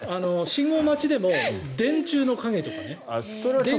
信号待ちでも電柱の影とかね。